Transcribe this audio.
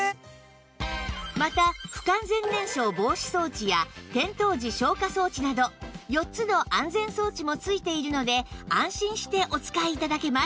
また不完全燃焼防止装置や転倒時消火装置など４つの安全装置もついているので安心してお使い頂けます